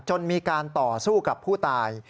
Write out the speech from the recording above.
จนมีการต่อสู้กับผู้ตาย